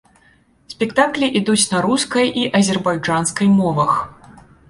Спектаклі ідуць на рускай і азербайджанскай мовах.